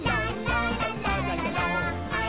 はい！